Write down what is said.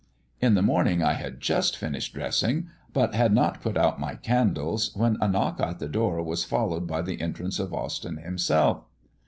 In the morning I had just finished dressing, but had not put out my candles, when a knock at the door was followed by the entrance of Austyn himself.